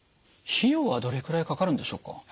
費用はどれくらいかかるんでしょうか？